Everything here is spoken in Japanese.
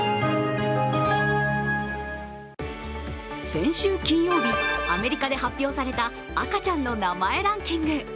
先週金曜日、アメリカで発表された赤ちゃんの名前ランキング。